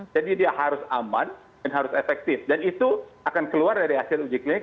jadi dia harus aman dan harus efektif dan itu akan keluar dari hasil uji klinik